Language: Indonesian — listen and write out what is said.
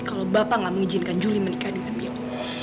kalau bapak tidak mengizinkan juli menikah dengan milo